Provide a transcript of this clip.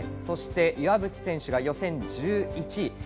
そして、岩渕選手が予選１１位。